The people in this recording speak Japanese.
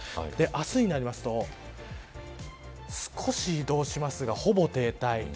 明日になると少し移動しますがほぼ停滞。